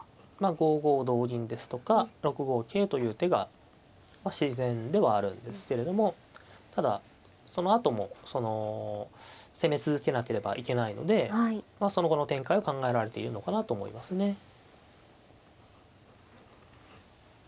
まあ５五同銀ですとか６五桂という手がまあ自然ではあるんですけれどもただそのあともその攻め続けなければいけないのでその後の展開を考えられているのかなと思いますね。